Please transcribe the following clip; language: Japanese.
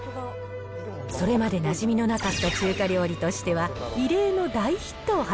それまでなじみのなかった中華料理としては、異例の大ヒットを果